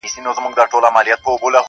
چي یې سور د میني نه وي په سینه کي.